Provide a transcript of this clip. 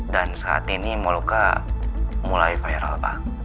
dan saat ini mau luka mulai viral pak